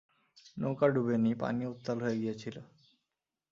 নৌকা ডুবেনি, পানি উত্তাল হয়ে গিয়েছিল।